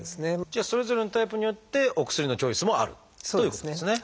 じゃあそれぞれのタイプによってお薬のチョイスもあるということですね。